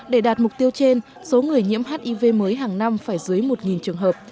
để đạt mục tiêu trên số người nhiễm hiv mới hàng năm phải dưới một trường hợp